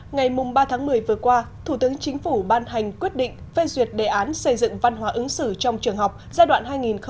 ngày ba tháng một mươi vừa qua thủ tướng chính phủ ban hành quyết định phê duyệt đề án xây dựng văn hóa ứng xử trong trường học giai đoạn hai nghìn một mươi chín hai nghìn hai mươi năm